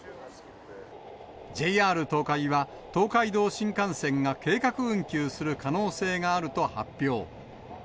ＪＲ東海は、東海道新幹線が計画運休する可能性があると発表。